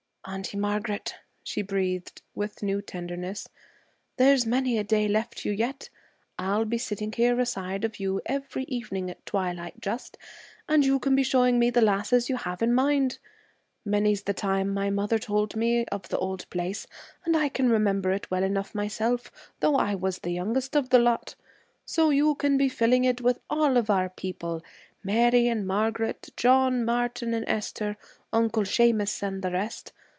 'Auntie Margaret,' she breathed, with new tenderness, 'there's many a day left you yet. I'll be sitting here aside of you every evening at twilight just, and you can be showing me the lasses you have in mind. Many's the time my mother told me of the old place, and I can remember it well enough myself, though I was the youngest of the lot. So you can be filling it with all of our people Mary and Margaret, John, Martin and Esther, Uncle Sheamus and the rest.